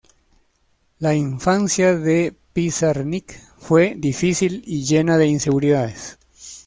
La infancia de Pizarnik fue difícil y llena de inseguridades.